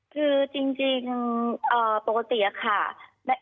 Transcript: คือจริงปกติค่ะ